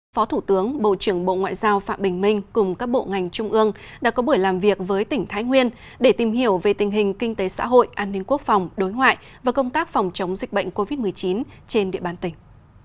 phó thủ tướng bộ trưởng bộ ngoại giao phạm bình minh cùng các bộ ngành trung ương đã có buổi làm việc với tỉnh thái nguyên để tìm hiểu về tình hình kinh tế xã hội an ninh quốc phòng đối ngoại và công tác phòng chống dịch bệnh covid một mươi chín trên địa bàn tỉnh